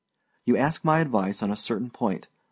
You ask my advice on a certain point.